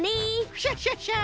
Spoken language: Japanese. クシャシャシャ！